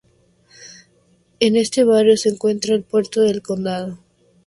En este barrio se encuentra el puerto de El Candado.